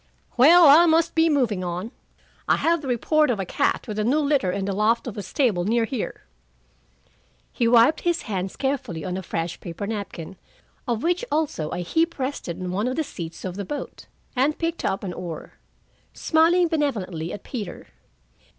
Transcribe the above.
Well, I must be moving on. I have the report of a cat with a new litter in the loft of a stable near here." He wiped his hands carefully on a fresh paper napkin, of which also a heap rested on one of the seats of the boat, and picked up an oar, smiling benevolently at Peter.